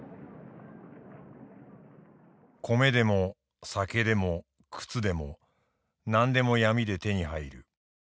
「米でも酒でも靴でも何でも闇で手に入る。